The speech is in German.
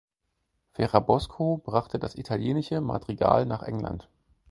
Ferrabosco brachte das italienische Madrigal nach England.